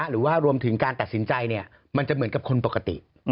หรือว่ารวมถึงการตัดสินใจมันจะเหมือนกับคนปกติ